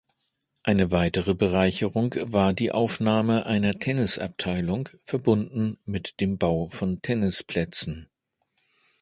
Eine weitere Bereicherung war die Aufnahme einer Tennisabteilung, verbunden mit dem Bau von Tennisplätzen.